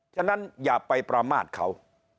ฉะนั้นอย่าไปประมาทเขา